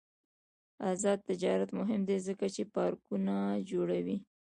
آزاد تجارت مهم دی ځکه چې پارکونه جوړوي.